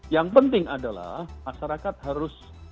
yang penting adalah masyarakat harus